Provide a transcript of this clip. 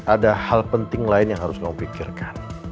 ada hal penting lain yang harus kau pikirkan